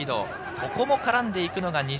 ここも絡んでいくのが２０